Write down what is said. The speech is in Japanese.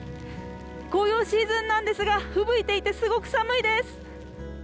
紅葉シーズンなんですが、ふぶいていて、とても寒いです。